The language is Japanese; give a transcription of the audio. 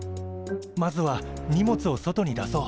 まずは荷物を外に出そう。